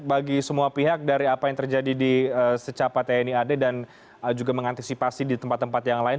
bagi semua pihak dari apa yang terjadi di secapat tni ad dan juga mengantisipasi di tempat tempat yang lain